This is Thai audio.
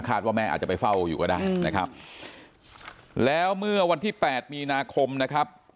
ว่าแม่อาจจะไปเฝ้าอยู่ก็ได้นะครับแล้วเมื่อวันที่แปดมีนาคมนะครับ